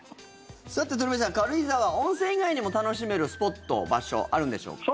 鳥海さん、軽井沢温泉以外にも楽しめるスポット、場所あるんでしょうか。